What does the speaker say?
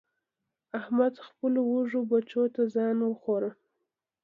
احمد خپلو وږو بچو ته ځان وخوړ.